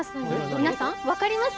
皆さん、分かります？